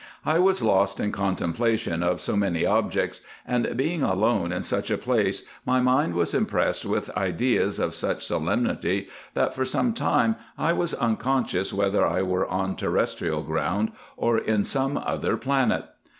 I was lost in contemplation of so many objects ; and being alone in such a place, my mind was impressed with ideas of such solemnity, that for some time I was unconscious whether I were on terrestrial ground, or in some other planet.